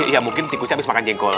ya mungkin tikusnya habis makan jengkol